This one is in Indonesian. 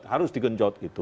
harus digenjot gitu